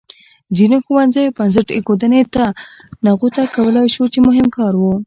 ځینو ښوونځیو بنسټ ایښودنې ته نغوته کولای شو چې مهم کار و.